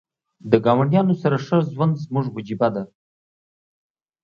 د ګاونډیانو سره ښه ژوند زموږ وجیبه ده .